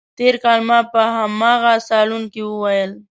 تېر کال ما په همدغه صالون کې وویل.